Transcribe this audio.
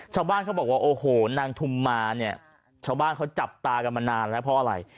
ชาวบ้านเขาบอกว่าโอ้โหนางทุมมาเนี่ยชาวบ้านเขาจับตากันมานานแล้วเพราะอะไร